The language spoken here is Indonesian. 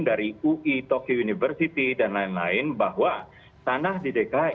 dari ui tokyo university dan lain lain bahwa tanah di dki